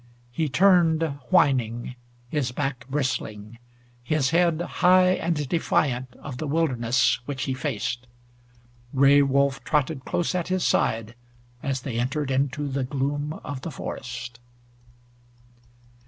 He turned, whining, his back bristling, his head high and defiant of the wilderness which he faced. Gray Wolf trotted close at his side as they entered into the gloom of the forest.